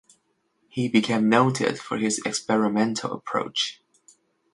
He became noted for his experimental approach.